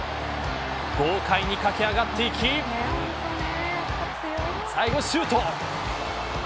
豪快に駆け上がっていき最後シュート。